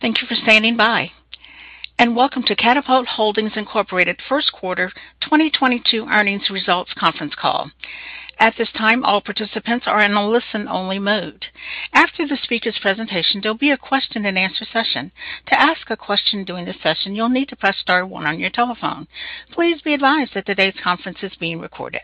Thank you for standing by, and welcome to Katapult Holdings, Inc. First Quarter 2022 Earnings Results Conference Call. At this time, all participants are in a listen-only mode. After the speakers' presentation, there'll be a question-and-answer session. To ask a question during the session, you'll need to press star one on your telephone. Please be advised that today's conference is being recorded.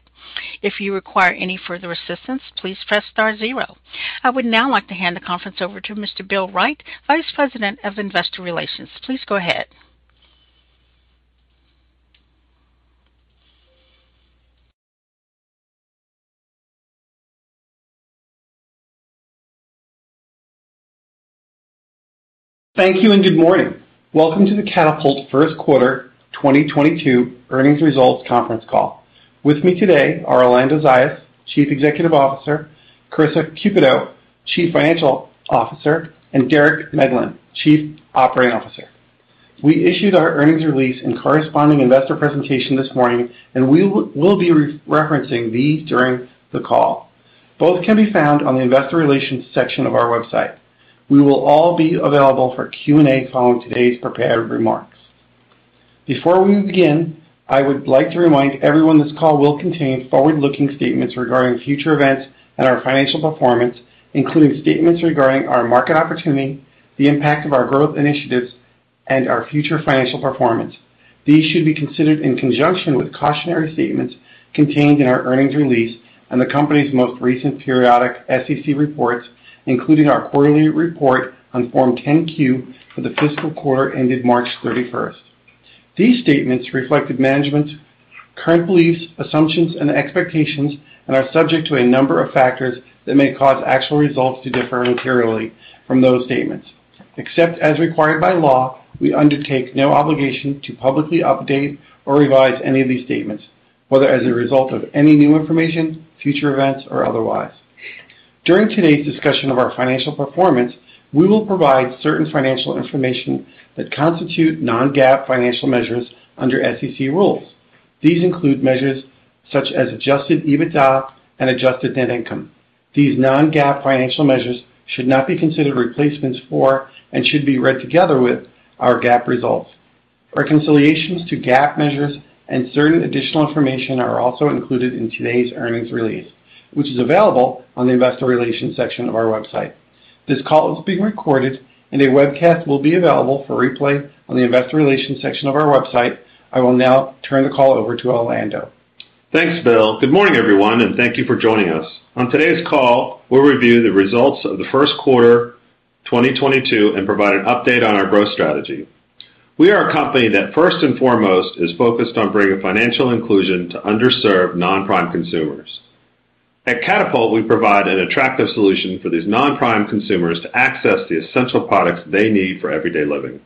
If you require any further assistance, please press star zero. I would now like to hand the conference over to Mr. Bill Wright, Vice President of Investor Relations. Please go ahead. Thank you and good morning. Welcome to the Katapult first quarter 2022 earnings results conference call. With me today are Orlando Zayas, Chief Executive Officer, Karissa Cupito, Chief Financial Officer, and Derek Medlin, Chief Operating Officer. We issued our earnings release and corresponding investor presentation this morning, and we will be referencing these during the call. Both can be found on the investor relations section of our website. We will all be available for Q&A following today's prepared remarks. Before we begin, I would like to remind everyone this call will contain forward-looking statements regarding future events and our financial performance, including statements regarding our market opportunity, the impact of our growth initiatives, and our future financial performance. These should be considered in conjunction with cautionary statements contained in our earnings release and the company's most recent periodic SEC reports, including our quarterly report on Form 10-Q for the fiscal quarter ended March 31st. These statements reflect management's current beliefs, assumptions, and expectations and are subject to a number of factors that may cause actual results to differ materially from those statements. Except as required by law, we undertake no obligation to publicly update or revise any of these statements, whether as a result of any new information, future events, or otherwise. During today's discussion of our financial performance, we will provide certain financial information that constitutes non-GAAP financial measures under SEC rules. These include measures such as Adjusted EBITDA and adjusted net income. These non-GAAP financial measures should not be considered replacements for and should be read together with our GAAP results. Reconciliations to GAAP measures and certain additional information are also included in today's earnings release, which is available on the investor relations section of our website. This call is being recorded, and a webcast will be available for replay on the investor relations section of our website. I will now turn the call over to Orlando. Thanks, Bill. Good morning, everyone, and thank you for joining us. On today's call, we'll review the results of Q1 2022 and provide an update on our growth strategy. We are a company that first and foremost is focused on bringing financial inclusion to underserved non-prime consumers. At Katapult, we provide an attractive solution for these non-prime consumers to access the essential products they need for everyday living.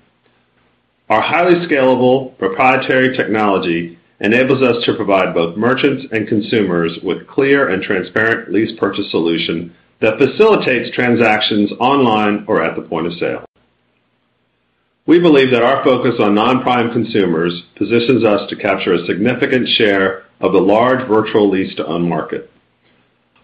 Our highly scalable proprietary technology enables us to provide both merchants and consumers with clear and transparent lease-to-own solution that facilitates transactions online or at the point of sale. We believe that our focus on non-prime consumers positions us to capture a significant share of the large virtual lease-to-own market.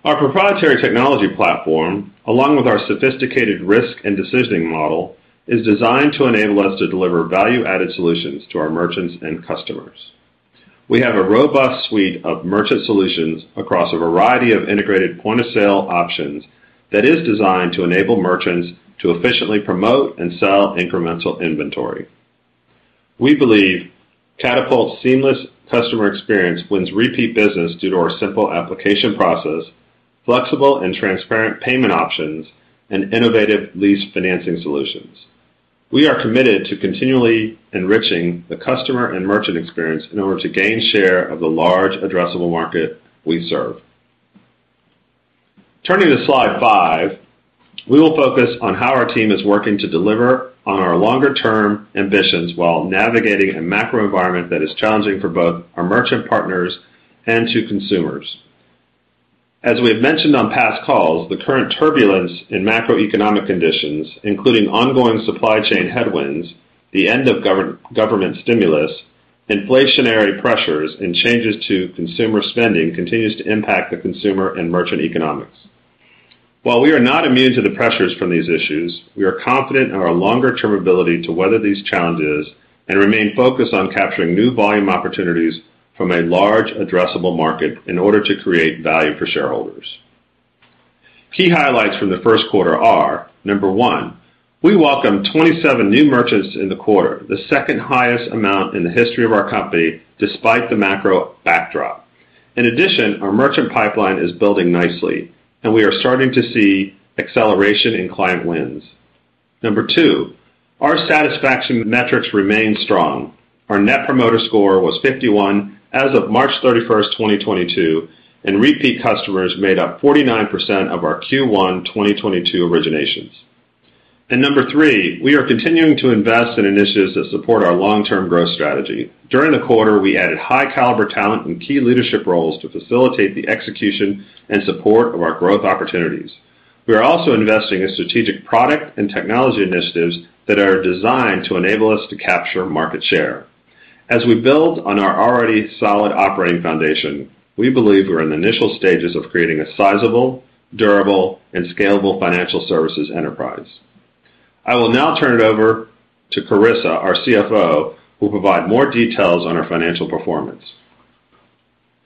Our proprietary technology platform, along with our sophisticated risk and decisioning model, is designed to enable us to deliver value-added solutions to our merchants and customers. We have a robust suite of merchant solutions across a variety of integrated point-of-sale options that is designed to enable merchants to efficiently promote and sell incremental inventory. We believe Katapult seamless customer experience wins repeat business due to our simple application process, flexible and transparent payment options, and innovative lease financing solutions. We are committed to continually enriching the customer and merchant experience in order to gain share of the large addressable market we serve. Turning to slide five, we will focus on how our team is working to deliver on our longer-term ambitions while navigating a macro environment that is challenging for both our merchant partners and to consumers. As we have mentioned on past calls, the current turbulence in macroeconomic conditions, including ongoing supply chain headwinds, the end of government stimulus, inflationary pressures, and changes to consumer spending continues to impact the consumer and merchant economics. While we are not immune to the pressures from these issues, we are confident in our longer-term ability to weather these challenges and remain focused on capturing new volume opportunities from a large addressable market in order to create value for shareholders. Key highlights from the first quarter are. Number one, we welcome 27 new merchants in the quarter, the second-highest amount in the history of our company, despite the macro backdrop. In addition, our merchant pipeline is building nicely, and we are starting to see acceleration in client wins. Number two, our satisfaction metrics remain strong. Our Net Promoter Score was 51 as of March 31, 2022, and repeat customers made up 49% of our Q1 2022 originations. Number three, we are continuing to invest in initiatives that support our long-term growth strategy. During the quarter, we added high caliber talent in key leadership roles to facilitate the execution and support of our growth opportunities. We are also investing in strategic product and technology initiatives that are designed to enable us to capture market share. As we build on our already solid operating foundation, we believe we're in the initial stages of creating a sizable, durable, and scalable financial services enterprise. I will now turn it over to Karissa, our CFO, who will provide more details on our financial performance.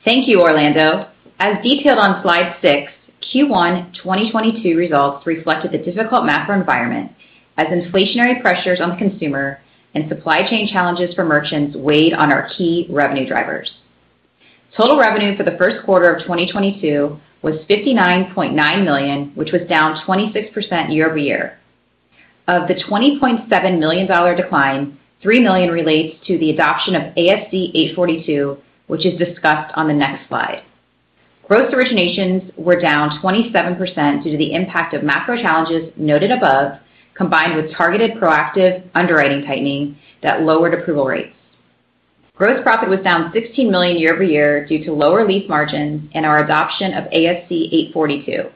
Thank you, Orlando. As detailed on slide 6, Q1 2022 results reflected the difficult macro environment as inflationary pressures on consumer and supply chain challenges for merchants weighed on our key revenue drivers. Total revenue for the first quarter of 2022 was $59.9 million, which was down 26% year-over-year. Of the $27 million decline, $3 million relates to the adoption of ASC 842, which is discussed on the next slide. Gross originations were down 27% due to the impact of macro challenges noted above, combined with targeted proactive underwriting tightening that lowered approval rates. Gross profit was down $16 million year-over-year due to lower lease margins and our adoption of ASC 842.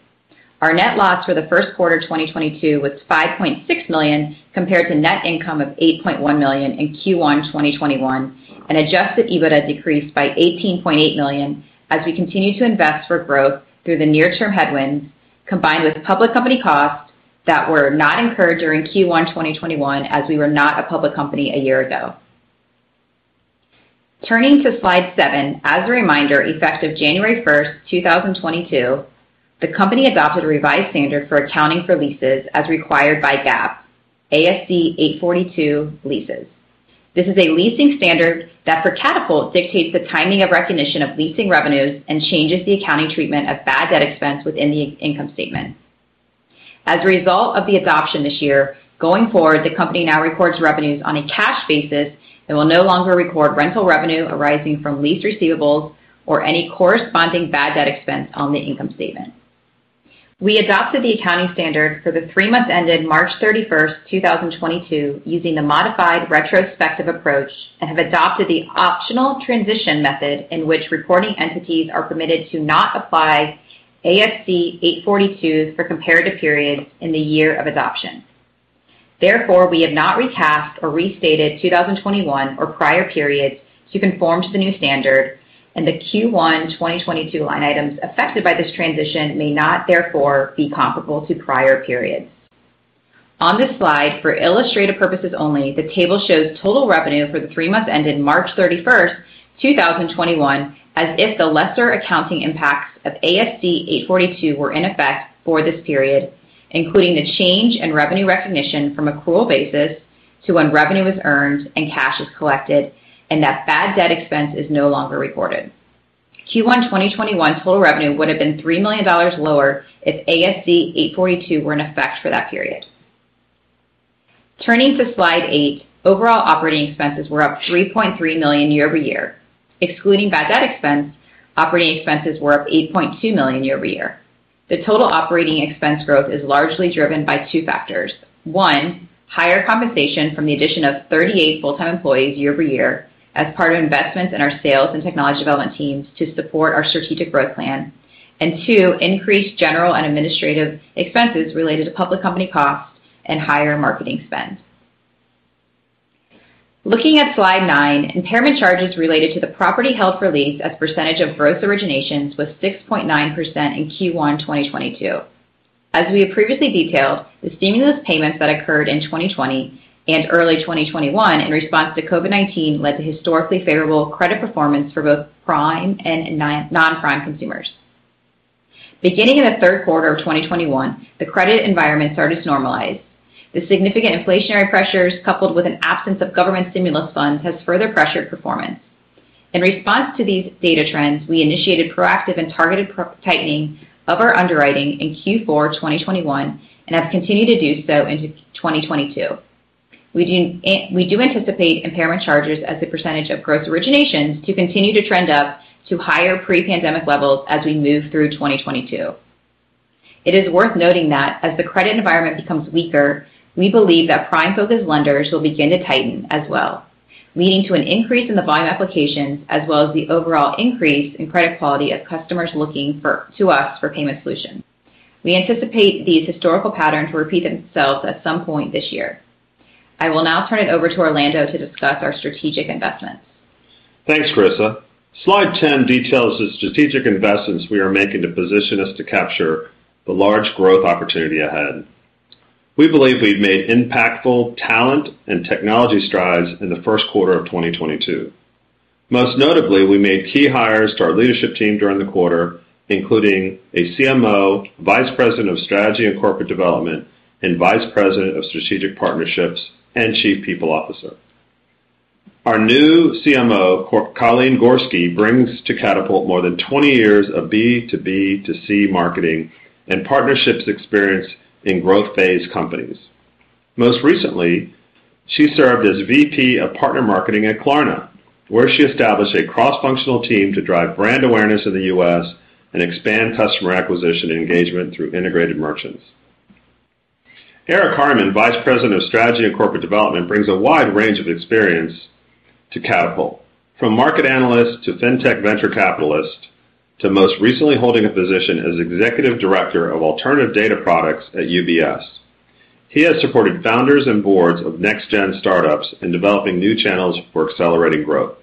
Our net loss for the first quarter 2022 was $5.6 million compared to net income of $8.1 million in Q1 2021, and Adjusted EBITDA decreased by $18.8 million as we continue to invest for growth through the near-term headwinds, combined with public company costs that were not incurred during Q1 2021 as we were not a public company a year ago. Turning to slide 7, as a reminder, effective January 1, 2022, the company adopted a revised standard for accounting for leases as required by GAAP, ASC 842 leases. This is a leasing standard that for Katapult dictates the timing of recognition of leasing revenues and changes the accounting treatment of bad debt expense within the income statement. As a result of the adoption this year, going forward, the company now reports revenues on a cash basis and will no longer record rental revenue arising from lease receivables or any corresponding bad debt expense on the income statement. We adopted the accounting standard for the three months ended March 31, 2022, using the modified retrospective approach and have adopted the optional transition method in which reporting entities are permitted to not apply ASC 842 for comparative periods in the year of adoption. Therefore, we have not recapped or restated 2021 or prior periods to conform to the new standard, and the Q1 2022 line items affected by this transition may not therefore be comparable to prior periods. On this slide, for illustrative purposes only, the table shows total revenue for the three months ended March 31, 2021, as if the lease accounting impacts of ASC 842 were in effect for this period, including the change in revenue recognition from accrual basis to when revenue is earned and cash is collected, and that bad debt expense is no longer reported. Q1 2021 total revenue would have been $3 million lower if ASC 842 were in effect for that period. Turning to slide eight, overall operating expenses were up $3.3 million year-over-year. Excluding bad debt expense, operating expenses were up $8.2 million year-over-year. The total operating expense growth is largely driven by two factors. One, higher compensation from the addition of 38 full-time employees year-over-year as part of investments in our sales and technology development teams to support our strategic growth plan. Two, increased general and administrative expenses related to public company costs and higher marketing spend. Looking at slide 9, impairment charges related to the property held for lease as percentage of gross originations was 6.9% in Q1 2022. As we have previously detailed, the stimulus payments that occurred in 2020 and early 2021 in response to COVID-19 led to historically favorable credit performance for both prime and non-prime consumers. Beginning in the third quarter of 2021, the credit environment started to normalize. The significant inflationary pressures, coupled with an absence of government stimulus funds, has further pressured performance. In response to these data trends, we initiated proactive and targeted tightening of our underwriting in Q4 2021 and have continued to do so into 2022. We do anticipate impairment charges as a percentage of gross originations to continue to trend up to higher pre-pandemic levels as we move through 2022. It is worth noting that as the credit environment becomes weaker, we believe that prime-focused lenders will begin to tighten as well, leading to an increase in the volume of applications as well as the overall increase in credit quality of customers looking to us for payment solutions. We anticipate these historical patterns will repeat themselves at some point this year. I will now turn it over to Orlando to discuss our strategic investments. Thanks, Karissa. Slide 10 details the strategic investments we are making to position us to capture the large growth opportunity ahead. We believe we've made impactful talent and technology strides in the first quarter of 2022. Most notably, we made key hires to our leadership team during the quarter, including a CMO, vice president of strategy and corporate development, and vice president of strategic partnerships and chief people officer. Our new CMO, Colleen Gorsky, brings to Katapult more than 20 years of B to B to C marketing and partnerships experience in growth phase companies. Most recently, she served as VP of partner marketing at Klarna, where she established a cross-functional team to drive brand awareness in the U.S. and expand customer acquisition and engagement through integrated merchants. Eric Harmon, Vice President of strategy and corporate development, brings a wide range of experience to Katapult. From market analyst to fintech venture capitalist, to most recently holding a position as executive director of alternative data products at UBS. He has supported founders and boards of next gen startups in developing new channels for accelerating growth.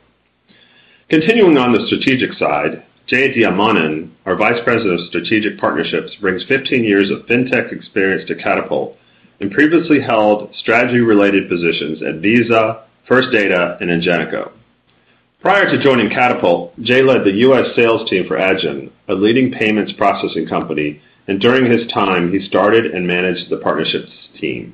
Continuing on the strategic side, Jay Diamonon, our Vice President of Strategic Partnerships, brings 15 years of fintech experience to Katapult and previously held strategy-related positions at Visa, First Data, and Ingenico. Prior to joining Katapult, Jay led the U.S. sales team for Adyen, a leading payments processing company, and during his time, he started and managed the partnerships team.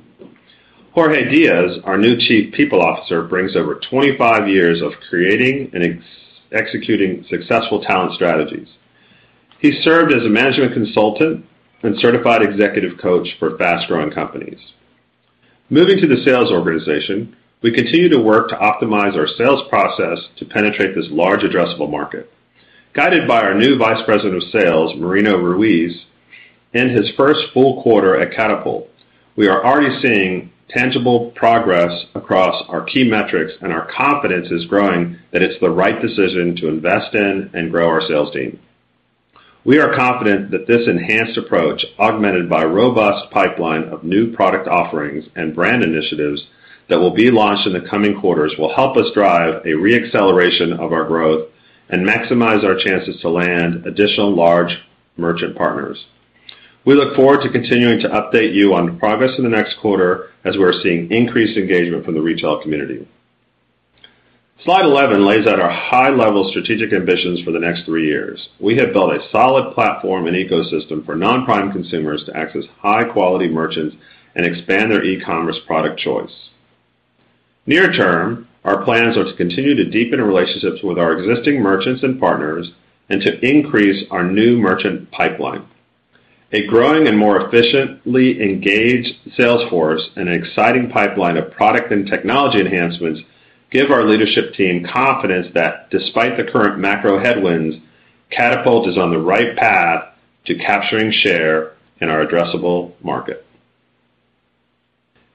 Jorge Diaz, our new Chief People Officer, brings over 25 years of creating and executing successful talent strategies. He served as a management consultant and certified executive coach for fast-growing companies. Moving to the sales organization, we continue to work to optimize our sales process to penetrate this large addressable market. Guided by our new Vice President of Sales, Marino Ruiz, in his first full quarter at Katapult, we are already seeing tangible progress across our key metrics, and our confidence is growing that it's the right decision to invest in and grow our sales team. We are confident that this enhanced approach, augmented by a robust pipeline of new product offerings and brand initiatives that will be launched in the coming quarters, will help us drive a re-acceleration of our growth and maximize our chances to land additional large merchant partners. We look forward to continuing to update you on progress in the next quarter as we're seeing increased engagement from the retail community. Slide 11 lays out our high-level strategic ambitions for the next three years. We have built a solid platform and ecosystem for non-prime consumers to access high-quality merchants and expand their e-commerce product choice. Near term, our plans are to continue to deepen relationships with our existing merchants and partners and to increase our new merchant pipeline. A growing and more efficiently engaged sales force and an exciting pipeline of product and technology enhancements give our leadership team confidence that despite the current macro headwinds, Katapult is on the right path to capturing share in our addressable market.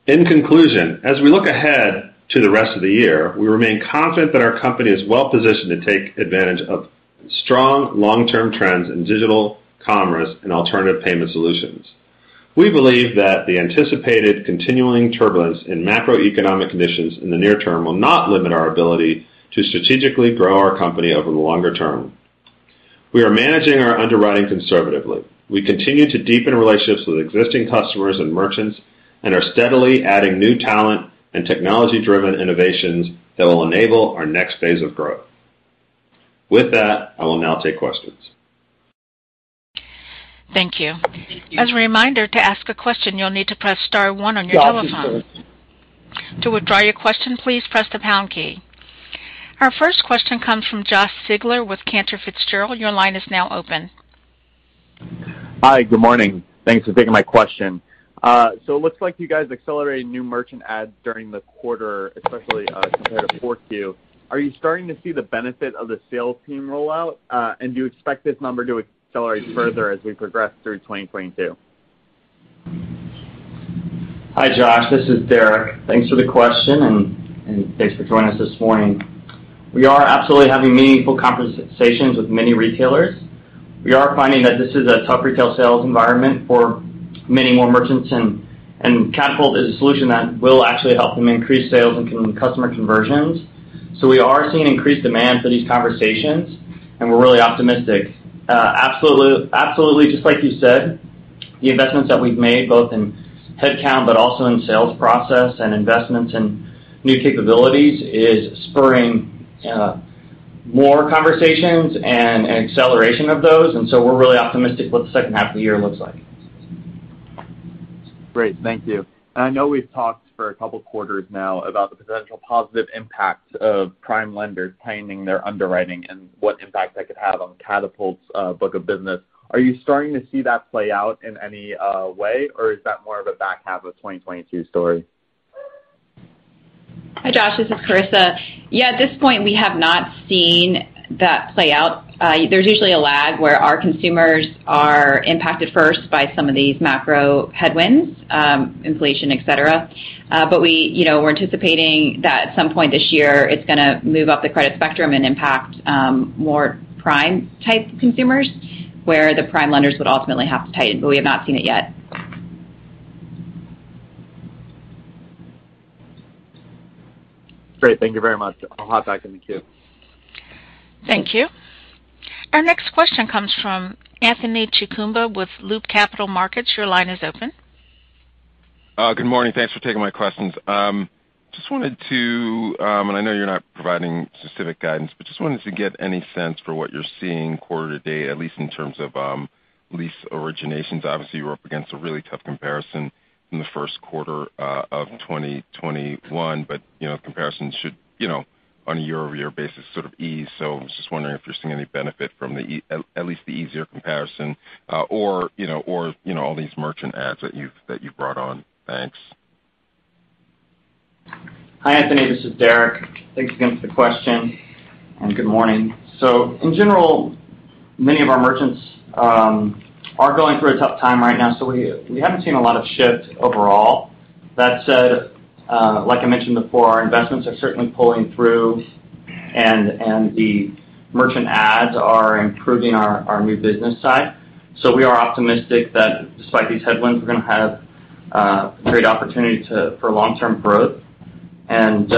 In conclusion, as we look ahead to the rest of the year, we remain confident that our company is well positioned to take advantage of strong long-term trends in digital commerce and alternative payment solutions. We believe that the anticipated continuing turbulence in macroeconomic conditions in the near term will not limit our ability to strategically grow our company over the longer term. We are managing our underwriting conservatively. We continue to deepen relationships with existing customers and merchants and are steadily adding new talent and technology-driven innovations that will enable our next phase of growth. With that, I will now take questions. Thank you. As a reminder, to ask a question, you'll need to press star one on your telephone. To withdraw your question, please press the pound key. Our first question comes from Josh Siegler with Cantor Fitzgerald. Your line is now open. Hi. Good morning. Thanks for taking my question. It looks like you guys accelerated new merchant ads during the quarter, especially compared to Q4. Are you starting to see the benefit of the sales team rollout? Do you expect this number to accelerate further as we progress through 2022? Hi, Josh. This is Derek. Thanks for the question and thanks for joining us this morning. We are absolutely having meaningful conversations with many retailers. We are finding that this is a tough retail sales environment for many more merchants, and Katapult is a solution that will actually help them increase sales and customer conversions. We are seeing increased demand for these conversations, and we're really optimistic. Absolutely, just like you said, the investments that we've made both in headcount but also in sales process and investments in new capabilities is spurring more conversations and acceleration of those, and we're really optimistic what the second half of the year looks like. Great. Thank you. I know we've talked for a couple quarters now about the potential positive impact of prime lenders tightening their underwriting and what impact that could have on Katapult's book of business. Are you starting to see that play out in any way, or is that more of a back half of 2022 story? Hi, Josh. This is Karissa. Yeah, at this point, we have not seen that play out. There's usually a lag where our consumers are impacted first by some of these macro headwinds, inflation, et cetera, but we, you know, we're anticipating that at some point this year, it's gonna move up the credit spectrum and impact more prime-type consumers, where the prime lenders would ultimately have to tighten, but we have not seen it yet. Great. Thank you very much. I'll hop back in the queue. Thank you. Our next question comes from Anthony Chukumba with Loop Capital Markets. Your line is open. Good morning. Thanks for taking my questions. I know you're not providing specific guidance, but just wanted to get any sense for what you're seeing quarter to date, at least in terms of lease originations. Obviously, you're up against a really tough comparison in the first quarter of 2021, but you know, comparisons should you know, on a year-over-year basis sort of ease. I was just wondering if you're seeing any benefit from the easier comparison, at least, or you know, all these merchant adds that you've brought on. Thanks. Hi, Anthony. This is Derek. Thanks again for the question, and good morning. In general, many of our merchants are going through a tough time right now, so we haven't seen a lot of shift overall. That said, like I mentioned before, our investments are certainly pulling through. The merchant ads are improving our new business side. We are optimistic that despite these headwinds, we're gonna have great opportunity for long-term growth. We're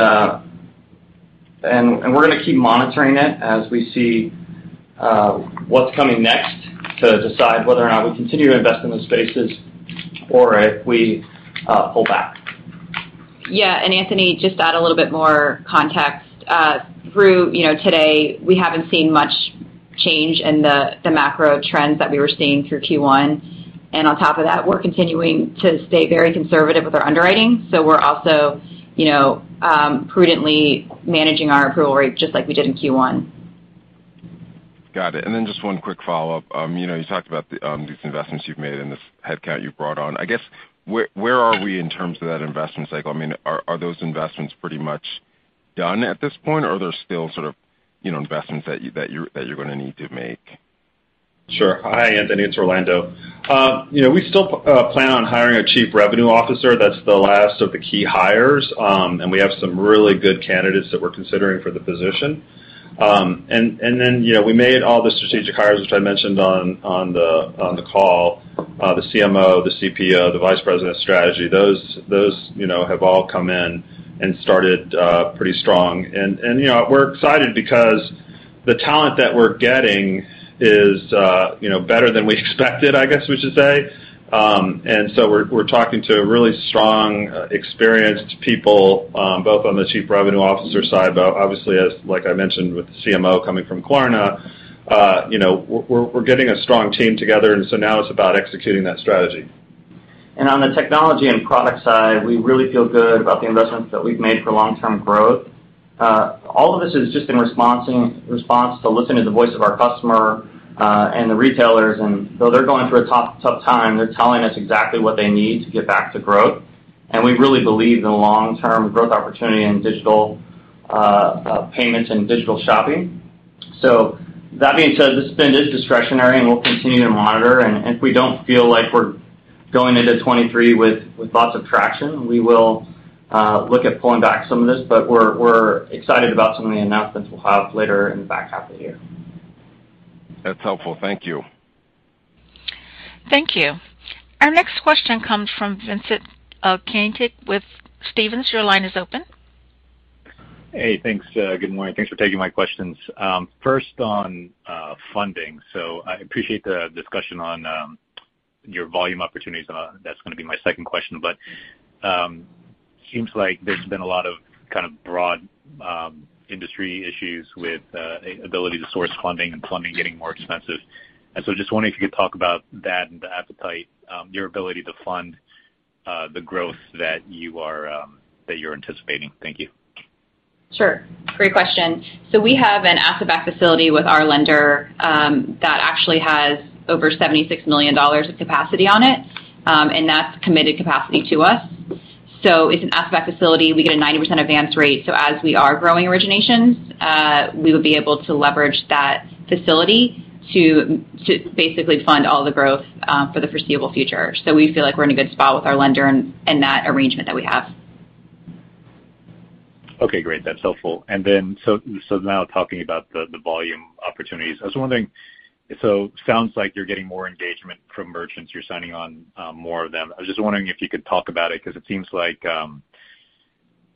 gonna keep monitoring it as we see what's coming next to decide whether or not we continue to invest in those spaces or if we pull back. Yeah. Anthony, just to add a little bit more context. Through you know today, we haven't seen much change in the macro trends that we were seeing through Q1. On top of that, we're continuing to stay very conservative with our underwriting. We're also you know prudently managing our approval rate just like we did in Q1. Got it. Just one quick follow-up. You know, you talked about the these investments you've made and this headcount you've brought on. I guess where are we in terms of that investment cycle? I mean, are those investments pretty much done at this point, or are there still sort of, you know, investments that you're gonna need to make? Sure. Hi, Anthony, it's Orlando. You know, we still plan on hiring a chief revenue officer. That's the last of the key hires. We have some really good candidates that we're considering for the position. Then, you know, we made all the strategic hires, which I mentioned on the call, the CMO, the CPO, the vice president of strategy. Those, you know, have all come in and started pretty strong. You know, we're excited because the talent that we're getting is, you know, better than we expected, I guess we should say. We're talking to really strong experienced people both on the chief revenue officer side, but obviously as, like I mentioned with the CMO coming from Klarna, you know, we're getting a strong team together, and so now it's about executing that strategy. On the technology and product side, we really feel good about the investments that we've made for long-term growth. All of this has just been response to listening to the voice of our customer, and the retailers. Though they're going through a tough time, they're telling us exactly what they need to get back to growth. We really believe the long-term growth opportunity in digital payments and digital shopping. That being said, the spend is discretionary, and we'll continue to monitor. If we don't feel like we're going into 2023 with lots of traction, we will look at pulling back some of this. We're excited about some of the announcements we'll have later in the back half of the year. That's helpful. Thank you. Thank you. Our next question comes from Vincent Caintic with Stephens. Your line is open. Hey, thanks. Good morning. Thanks for taking my questions. First on funding. I appreciate the discussion on your volume opportunities. That's gonna be my second question. Seems like there's been a lot of kind of broad industry issues with ability to source funding and funding getting more expensive. Just wondering if you could talk about that and the appetite, your ability to fund the growth that you're anticipating. Thank you. Sure. Great question. We have an asset-backed facility with our lender, that actually has over $76 million of capacity on it, and that's committed capacity to us. It's an asset-backed facility. We get a 90% advance rate. As we are growing originations, we would be able to leverage that facility to basically fund all the growth, for the foreseeable future. We feel like we're in a good spot with our lender and that arrangement that we have. Okay, great. That's helpful. Now talking about the volume opportunities. I was wondering. Sounds like you're getting more engagement from merchants. You're signing on more of them. I was just wondering if you could talk about it because it seems like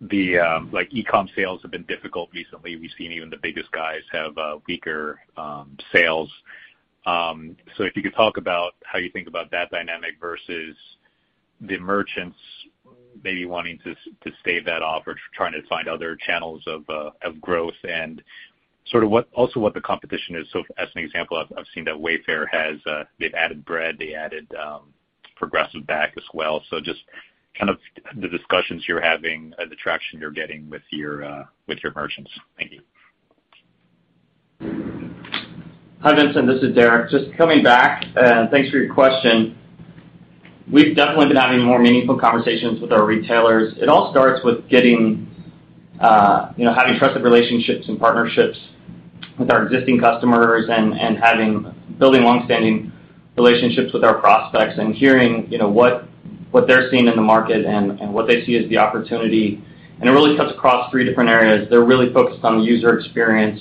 e-com sales have been difficult recently. We've seen even the biggest guys have weaker sales. If you could talk about how you think about that dynamic versus the merchants maybe wanting to stave that off or trying to find other channels of growth and sort of also what the competition is. As an example, I've seen that Wayfair has they've added Bread, they added Progressive back as well. Just kind of the discussions you're having and the traction you're getting with your merchants. Thank you. Hi, Vincent Caintic, this is Derek Medlin. Just coming back, and thanks for your question. We've definitely been having more meaningful conversations with our retailers. It all starts with getting, you know, having trusted relationships and partnerships with our existing customers and building long-standing relationships with our prospects and hearing, you know, what they're seeing in the market and what they see as the opportunity. It really cuts across three different areas. They're really focused on the user experience,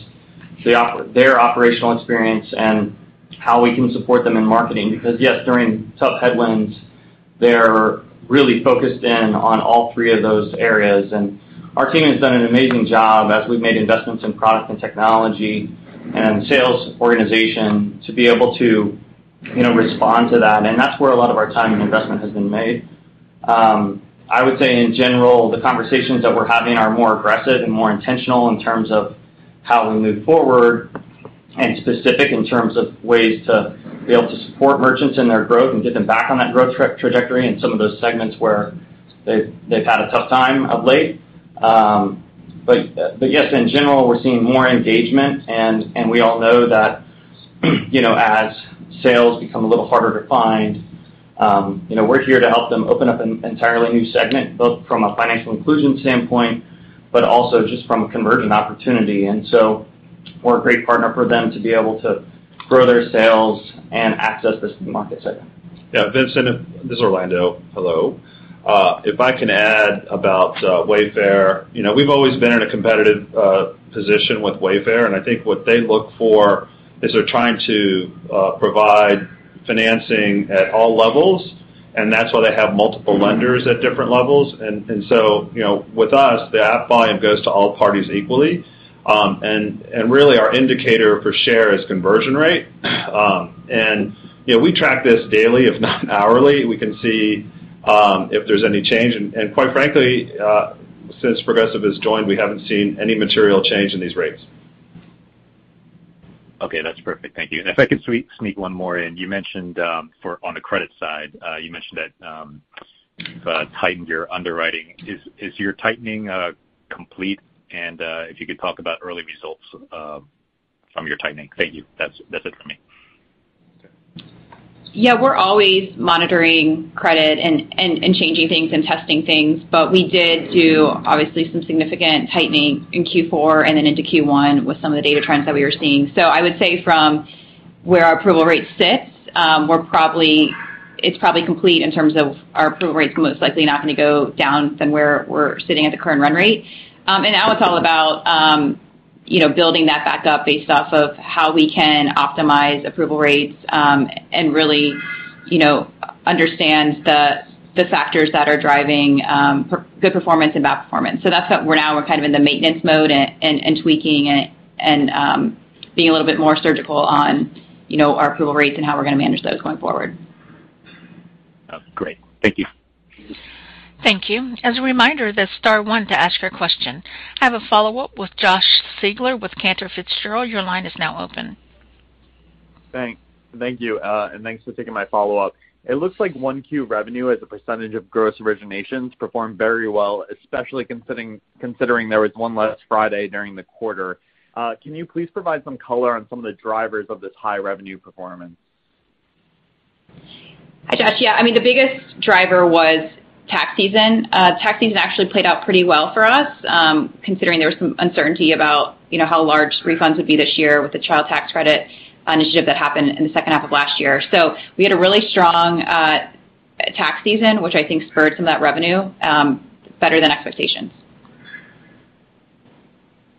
their operational experience, and how we can support them in marketing. Because, yes, during tough headwinds, they're really focused in on all three of those areas. Our team has done an amazing job as we've made investments in product and technology and sales organization to be able to, you know, respond to that. That's where a lot of our time and investment has been made. I would say in general, the conversations that we're having are more aggressive and more intentional in terms of how we move forward and specific in terms of ways to be able to support merchants in their growth and get them back on that growth trajectory in some of those segments where they've had a tough time of late. But yes, in general, we're seeing more engagement, and we all know that, you know, as sales become a little harder to find, you know, we're here to help them open up an entirely new segment, both from a financial inclusion standpoint, but also just from a conversion opportunity. We're a great partner for them to be able to grow their sales and access this market segment. Yeah, Vincent, this is Orlando. Hello. If I can add about Wayfair. You know, we've always been in a competitive position with Wayfair, and I think what they look for is they're trying to provide financing at all levels, and that's why they have multiple lenders at different levels. You know, with us, that volume goes to all parties equally. Really our indicator for share is conversion rate. You know, we track this daily if not hourly. We can see if there's any change. Quite frankly, since Progressive Leasing has joined, we haven't seen any material change in these rates. Okay, that's perfect. Thank you. If I could sneak one more in. You mentioned, for on the credit side, you mentioned that you've tightened your underwriting. Is your tightening complete? If you could talk about early results from your tightening. Thank you. That's it for me. Okay. Yeah. We're always monitoring credit and changing things and testing things. We did do obviously some significant tightening in Q4 and then into Q1 with some of the data trends that we were seeing. I would say from where our approval rate sits. It's probably complete in terms of our approval rate's most likely not gonna go down from where we're sitting at the current run rate. Now it's all about, you know, building that back up based off of how we can optimize approval rates, and really, you know, understand the factors that are driving good performance and bad performance. That's what we're now kind of in the maintenance mode and tweaking it and being a little bit more surgical on, you know, our approval rates and how we're gonna manage those going forward. Great. Thank you. Thank you. As a reminder, that's star one to ask your question. I have a follow-up with Josh Siegler with Cantor Fitzgerald. Your line is now open. Thank you. Thanks for taking my follow-up. It looks like Q1 revenue as a percentage of gross originations performed very well, especially considering there was one last Friday during the quarter. Can you please provide some color on some of the drivers of this high revenue performance? Hi, Josh. Yeah. I mean, the biggest driver was tax season. Tax season actually played out pretty well for us, considering there was some uncertainty about, you know, how large refunds would be this year with the child tax credit initiative that happened in the second half of last year. We had a really strong tax season, which I think spurred some of that revenue better than expectations.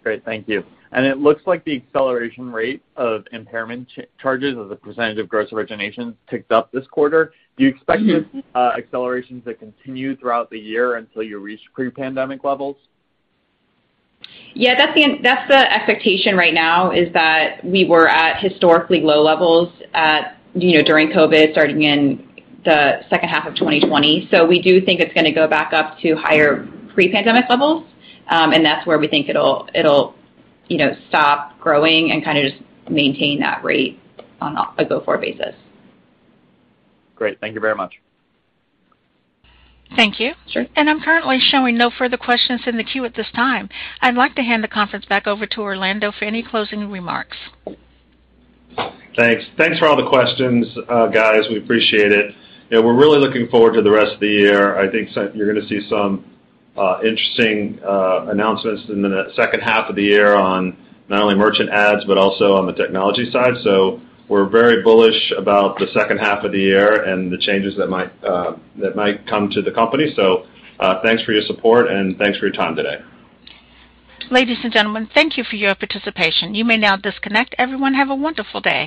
Great. Thank you. It looks like the acceleration rate of impairment charges as a percentage of gross originations ticked up this quarter. Do you expect these accelerations to continue throughout the year until you reach pre-pandemic levels? Yeah, that's the expectation right now is that we were at historically low levels, you know, during COVID starting in the second half of 2020. We do think it's gonna go back up to higher pre-pandemic levels, and that's where we think it'll, you know, stop growing and kinda just maintain that rate on a go-forward basis. Great. Thank you very much. Thank you. Sure. I'm currently showing no further questions in the queue at this time. I'd like to hand the conference back over to Orlando for any closing remarks. Thanks. Thanks for all the questions, guys. We appreciate it. You know, we're really looking forward to the rest of the year. I think so you're gonna see some interesting announcements in the second half of the year on not only merchant ads but also on the technology side. We're very bullish about the second half of the year and the changes that might come to the company. Thanks for your support, and thanks for your time today. Ladies and gentlemen, thank you for your participation. You may now disconnect. Everyone, have a wonderful day.